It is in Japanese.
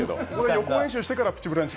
予行演習してから「プチブランチ」